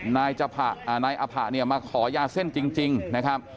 นายอภะเนี่ยมาขอยาเส้นจริงนะครับ